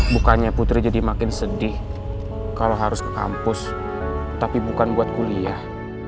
bukannya putri jadi makin sedih kalau harus ke kampus tapi bukan buat kuliah